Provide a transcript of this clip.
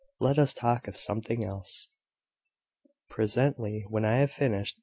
Let us talk of something else." "Presently; when I have finished.